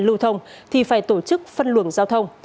lưu thông thì phải tổ chức phân luồng giao thông